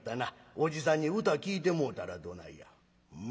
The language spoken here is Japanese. おじさんに歌聴いてもうたらどないや？